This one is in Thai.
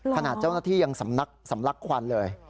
ขณะเจ้าหน้าที่ยังสำลักควันเลย